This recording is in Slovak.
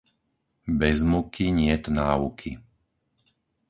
Bez muky, niet náuky.